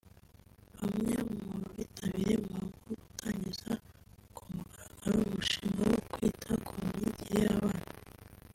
Bmwe mu bitabiriye umuhango wo gutangiza ku mugaragaro umushinga wo kwita ku myigire y’abana